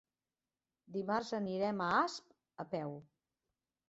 Dimarts anirem a Asp a peu.